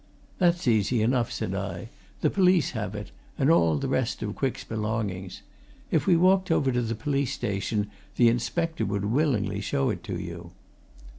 "That's easy enough," said I. "The police have it and all the rest of Quick's belongings. If we walked over to the police station, the inspector would willingly show it to you."